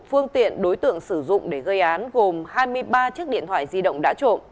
phương tiện đối tượng sử dụng để gây án gồm hai mươi ba chiếc điện thoại di động đã trộm